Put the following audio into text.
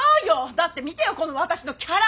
だって見てよこの私のキャラ！